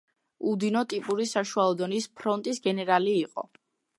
უდინო ტიპური საშუალო დონის ფრონტის გენერალი იყო.